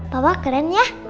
papa keren ya